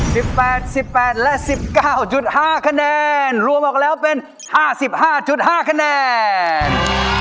สิบแปดสิบแปดและสิบเก้าจุดห้าคะแนนรวมออกแล้วเป็นห้าสิบห้าจุดห้าคะแนน